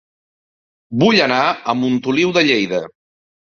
Vull anar a Montoliu de Lleida